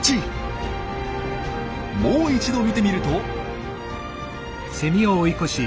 もう一度見てみると。